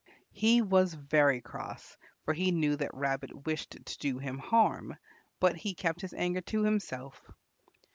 He was very cross, for he knew that Rabbit wished to do him harm, but he kept his anger to himself.